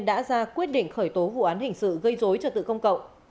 đã ra quyết định khởi tố vụ án hình sự gây dối trật tự công cộng